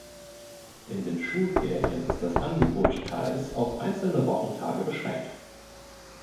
In den Schulferien ist das Angebot teils auf einzelne Wochentage beschränkt.